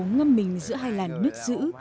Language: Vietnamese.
ngâm mình giữa hai làn nước dữ